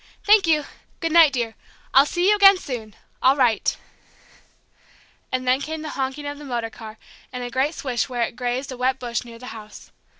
Thank you! Good night, dear! I'll see you again soon I'll write." And then came the honking of the motor car, and a great swish where it grazed a wet bush near the house.